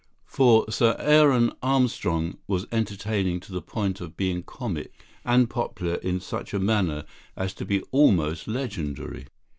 For Sir Aaron Armstrong was entertaining to the point of being comic; and popular in such a manner as to be almost legendary.